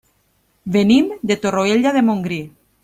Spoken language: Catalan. Venim de Torroella de Montgrí.